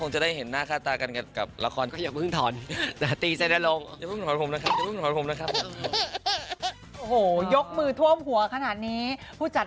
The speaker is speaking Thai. ช่วงนี้มันคอนเสิร์ทมกราคุมภาพไว้